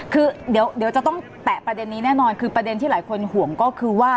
คือเดี๋ยวจะต้องแตะประเด็นนี้แน่นอนคือประเด็นที่หลายคนห่วงก็คือว่า